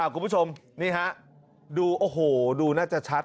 คุณผู้ชมนี่ฮะดูโอ้โหดูน่าจะชัด